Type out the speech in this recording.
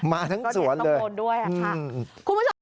มาทั้งสวนเลยคุณผู้ชมก็เห็นตรงบนด้วยครับ